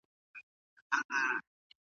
دوی ګوري چې موږ څنګه کار کوو.